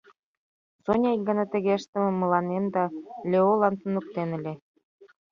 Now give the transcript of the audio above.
Соня ик гана тыге ыштымым мыланем да Леолан туныктен ыле.